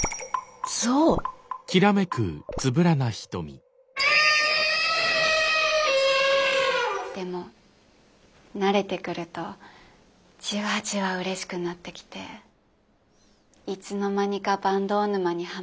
象？でも慣れてくるとじわじわうれしくなってきていつの間にか坂東沼にハマっていたというか。